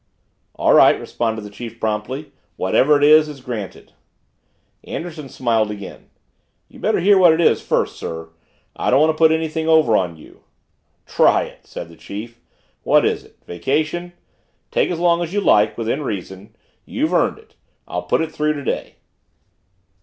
"All right," responded the chief promptly. "Whatever it is, it's granted." Anderson smiled again. "You'd better hear what it is first, sir. I don't want to put anything over on you." "Try it!" said the chief. "What is it vacation? Take as long as you like within reason you've earned it I'll put it through today."